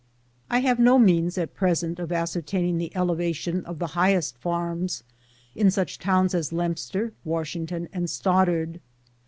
I have no means at present of ascertaining the elevation of the highest farms in such towns as Lempster, Wash ington, and Stoddard.